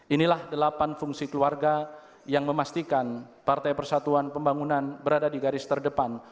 inilah delapan fungsi keluarga yang memastikan partai persatuan pembangunan berada di garis terdepan